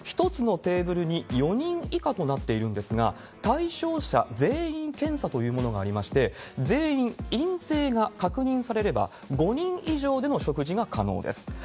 １つのテーブルに４人以下となっているんですが、対象者全員検査というものがありまして、全員陰性が確認されれば、５人以上での食事が可能です。